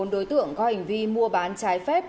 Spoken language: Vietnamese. bốn đối tượng có hành vi mua bán trái phép